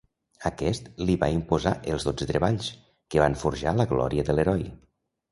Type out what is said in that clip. Aquest li va imposar els dotze treballs, que van forjar la glòria de l'heroi.